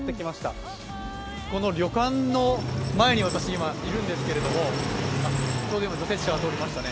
私、この旅館の前にいるんですけれどもちょうど今除雪車が通りましたね。